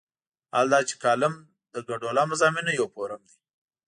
حال دا چې کالم د ګډوله مضامینو یو فورم دی.